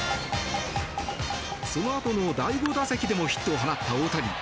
そのあとの第５打席でもヒットを放った大谷。